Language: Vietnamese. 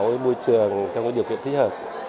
với môi trường trong cái điều kiện thích hợp